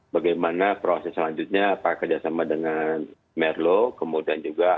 bagaimana proses selanjutnya apa kerjasama dengan merlo kemudian juga